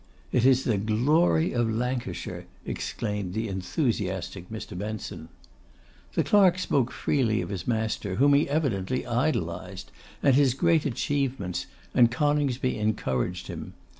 'It is the glory of Lancashire!' exclaimed the enthusiastic Mr. Benson. The clerk spoke freely of his master, whom he evidently idolised, and his great achievements, and Coningsby encouraged him.